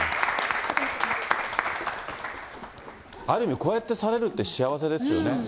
ある意味、こうやって去れるって幸せですよね。